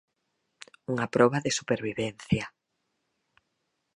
Unha proba de supervivencia.